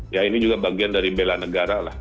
ya ini juga bagian dari bela negara lah